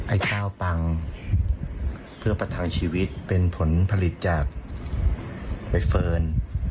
ไอ้ข้าวปังเพื่อประทังชีวิตเป็นผลผลิตจากใบเฟิร์น